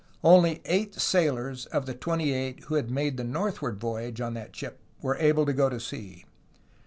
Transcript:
Only eight sailors of the twenty eight who had made the north ward voyage on that ship were able to go to sea.